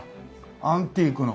アンティークの。